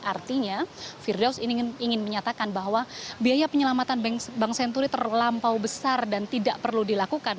artinya firdaus ingin menyatakan bahwa biaya penyelamatan bank senturi terlampau besar dan tidak perlu dilakukan